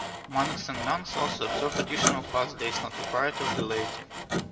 Monks and nuns also observe additional fast days not required of the laity.